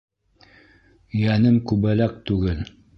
Йәнем күбәләк түгел.